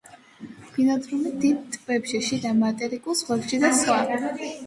ბინადრობდნენ დიდ ტბებში, შიდა მატერიკულ ზღვებში და სხვა.